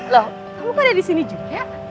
loh kamu kok ada di sini juga